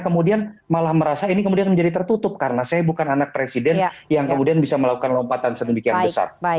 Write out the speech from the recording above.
kemudian malah merasa ini kemudian menjadi tertutup karena saya bukan anak presiden yang kemudian bisa melakukan lompatan sedemikian besar